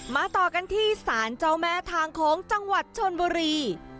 ต่อกันที่สารเจ้าแม่ทางโค้งจังหวัดชนบุรี